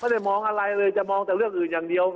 ไม่ได้มองอะไรเลยจะมองแต่เรื่องอื่นอย่างเดียว